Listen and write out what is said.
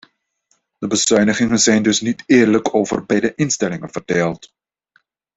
De bezuinigingen zijn dus niet eerlijk over beide instellingen verdeeld.